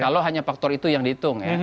kalau hanya faktor itu yang dihitung ya